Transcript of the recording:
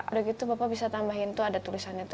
udah gitu bapak bisa tambahin tuh ada tulisannya tuh